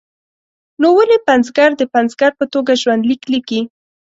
نو ولې پنځګر د پنځګر په توګه ژوند لیک لیکي.